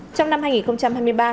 trong năm hai nghìn hai mươi ba